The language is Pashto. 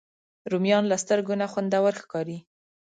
رومیان له سترګو نه خوندور ښکاري